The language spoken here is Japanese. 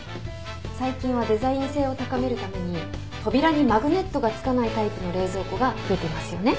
最近はデザイン性を高めるために扉にマグネットが付かないタイプの冷蔵庫が増えていますよね。